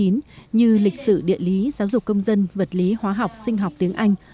như lịch sử địa lý giáo dục công dân vật lý hóa học sinh học tiếng anh